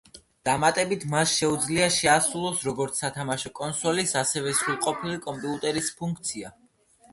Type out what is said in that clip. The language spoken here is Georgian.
დამატებით მას შეუძლია შეასრულოს როგორც სათამაშო კონსოლის, ასევე სრულყოფილი კომპიუტერის ფუნქცია.